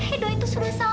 edo itu sudah salah mbak